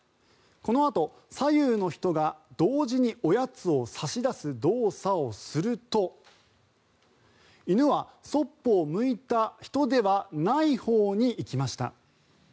このあと左右の人が同時におやつを差し出す動作をすると犬はそっぽを向いた人ではないほうに行きました。